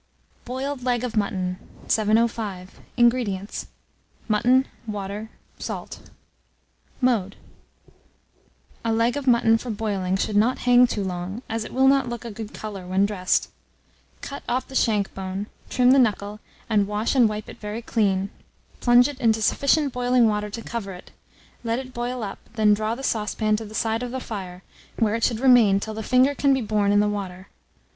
BOILED LEG OF MUTTON. 705. INGREDIENTS. Mutton, water, salt. Mode. A. leg of mutton for boiling should not hang too long, as it will not look a good colour when dressed. Cut off the shank bone, trim the knuckle, and wash and wipe it very clean; plunge it into sufficient boiling water to cover it; let it boil up, then draw the saucepan to the side of the fire, where it should remain till the finger can be borne in the water.